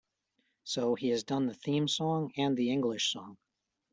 So he has done the theme song and the English song.